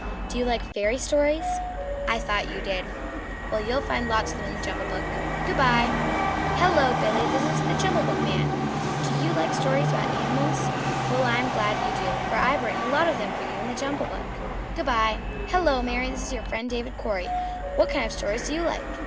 Do you like Fairy Stories? I thought you did. Well, you'll find lots of them in the JUMBLE BOOK. Good by." "Hello, Billy." "This is the JUMBLE BOOKman. Do you like stories about animals? Well, I'm glad you do, for I've written a lot of them for you in the JUMBLE BOOK. Good by." "Hello, Mary!" "This is your friend David Cory. What kind of stories do you like?